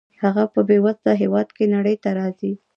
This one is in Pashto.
هغه په بې وزله هېواد کې نړۍ ته راځي.